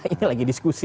ini lagi diskusi